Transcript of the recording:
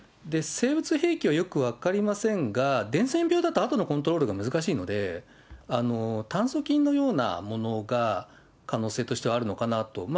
生物兵器はよく分かりませんが、伝染病だとあとのコントロールが難しいので、炭そ菌のようなものが可能性としてはあるのかなと。